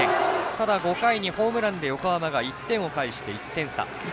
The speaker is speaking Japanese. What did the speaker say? ただ、５回にホームランで横浜が１点を返して、１点差。